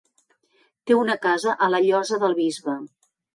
Té una casa a la Llosa del Bisbe.